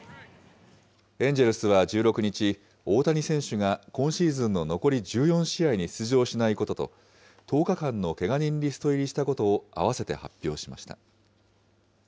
エンジェルスは１６日、大谷選手が今シーズンの残り１４試合に出場しないことと、１０日間のけが人リスト入りしたことを併せて発表しました。